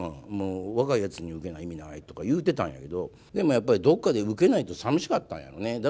もう若いやつにウケな意味ないとか言うてたんやけどでもやっぱりどっかでウケないとさみしかったんやろね。